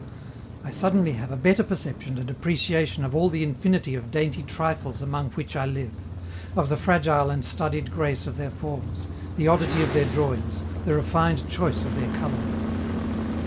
I suddenly have a better perception and appreciation of all the infinity of dainty trifles among which I live; of the fragile and studied grace of their forms, the oddity of their drawings, the refined choice of their colors.